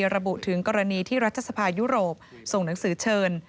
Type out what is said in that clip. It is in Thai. ระบุถึงกรณีที่รัฐสภายุโรปส่งหนังสือเชิญ